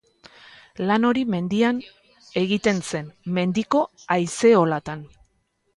Lan hori mendian egiten zen, mendiko haizeolatan.